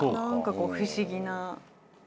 何か不思議な。